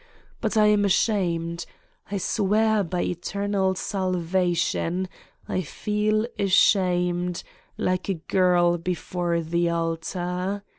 But I am ashamed! I swear by eternal salvation, I feel ashamed, like a girl before the altar.